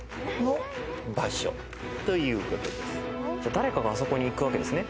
誰かがあそこに行くわけですね。